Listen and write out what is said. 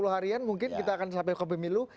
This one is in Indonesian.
empat puluh harian mungkin kita akan sampai pemilu